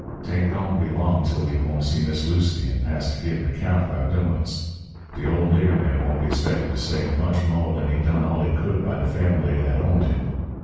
'Tain't goin' to be long till we gwine to see Miss Lucy and has to give an account of our doin's. De ole nigger man won't be 'spected to say much mo' dan he done all he could by de fambly dat owned him.